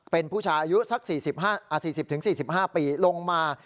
เป็นผู้ชายอายุสัก๔๐๔๕ปีลงมา